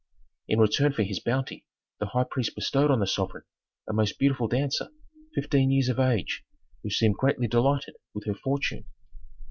In return for his bounty the high priest bestowed on the sovereign a most beautiful dancer fifteen years of age, who seemed greatly delighted with her fortune.